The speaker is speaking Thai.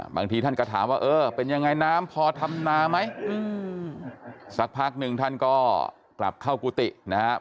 บางทีท่านก็ถามว่าเออเป็นยังไงน้ำพอทำนาไหมสักพักหนึ่งท่านก็กลับเข้ากุฏินะครับ